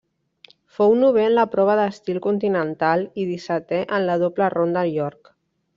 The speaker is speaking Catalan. Fou novè en la prova d'estil continental i dissetè en la doble ronda York.